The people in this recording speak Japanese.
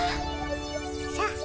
さあ